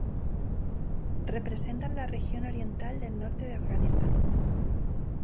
Representan la región oriental del norte de Afganistán.